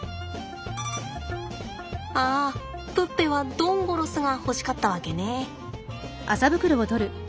ああプッペはドンゴロスが欲しかったわけね。